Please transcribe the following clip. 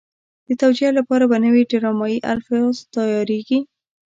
د توجیه لپاره به نوي ډرامایي الفاظ تیارېږي.